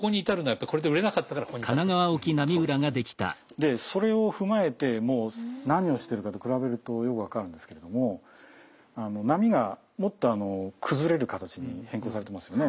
でそれを踏まえてもう何をしてるかと比べるとよく分かるんですけれども波がもっと崩れる形に変更されてますよね。